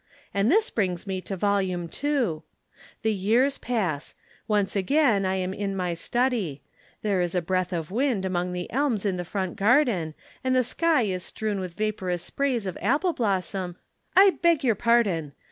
And this brings me to Volume Two. The years pass. Once again I am in my study. There is a breath of wind among the elms in the front garden, and the sky is strewn with vaporous sprays of apple blossom I beg your pardon.